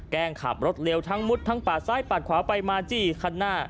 แกล้งขับรถเร็วทั้งมุดทั้งปาดซ้ายปาดขวาไปมาจี้คันหน้า